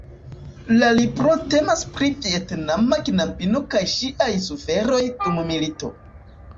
La libro temas pri vjetnama knabino kaj ŝiaj suferoj dum milito.